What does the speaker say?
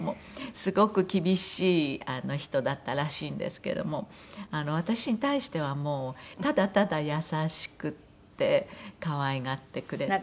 すごく厳しい人だったらしいんですけども私に対してはもうただただ優しくて可愛がってくれて。